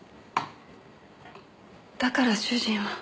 だから主人は。